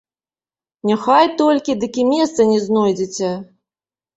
Няхай толькі, дык і месца не знойдзеце!